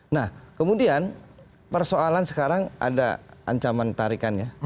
nah kemudian persoalan sekarang ada ancaman tarikannya